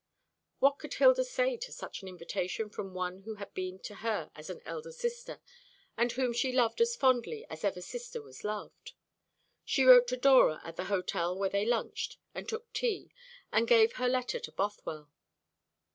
What could Hilda say to such an invitation from one who had been to her as an elder sister, and whom she loved as fondly as ever sister was loved? She wrote to Dora at the hotel where they lunched and took tea, and gave her letter to Bothwell.